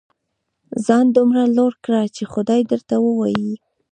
ځان دومره لوړ کړه چې خدای درته ووايي.